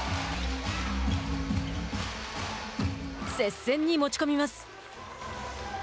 接戦に持ち込みます。